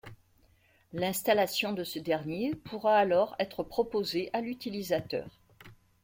L'installation de ce dernier pourra alors être proposée à l'utilisateur.